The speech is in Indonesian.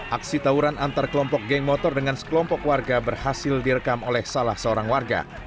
aksi tawuran antar kelompok geng motor dengan sekelompok warga berhasil direkam oleh salah seorang warga